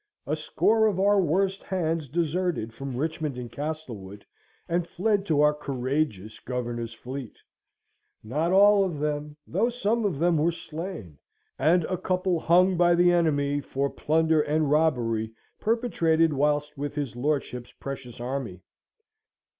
A score of our worst hands deserted from Richmond and Castlewood, and fled to our courageous Governor's fleet; not all of them, though some of them, were slain, and a couple hung by the enemy for plunder and robbery perpetrated whilst with his lordship's precious army.